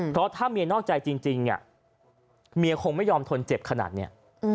เพราะถ้าเมียนอกใจจริงจริงเนี่ยเมียคงไม่ยอมทนเจ็บขนาดเนี่ย